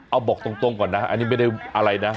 เอาบอกตรงก่อนนะอันนี้ไม่ได้อะไรนะ